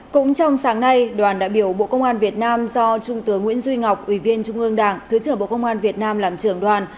cũng trong sáng nay đoàn đại biểu bộ công an việt nam do trung tướng nguyễn duy ngọc ủy viên trung ương đảng thứ trưởng bộ công an việt nam làm trưởng đoàn